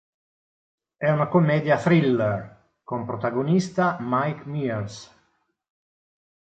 È una commedia thriller, con protagonista Mike Myers.